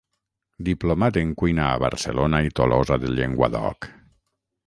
Diplomat en cuina a Barcelona i Tolosa de Llenguadoc.